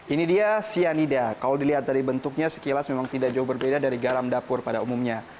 ini dia cyanida kalau dilihat dari bentuknya sekilas memang tidak jauh berbeda dari garam dapur pada umumnya